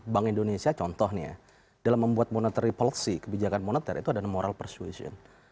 bank indonesia contohnya dalam membuat monetary policy kebijakan moneter itu ada moral persuasion